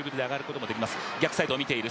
逆サイドを見ている。